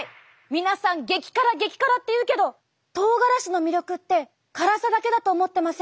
皆さん「激辛激辛」って言うけどとうがらしの魅力って辛さだけだと思ってませんか？